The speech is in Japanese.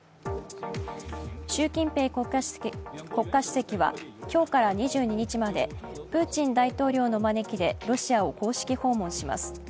習近平国家主席は今日から２２日までプーチン大統領の招きでロシアを公式訪問します。